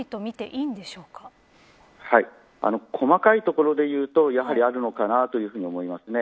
はい、細かいところでいうとやはりあるのかなと思います。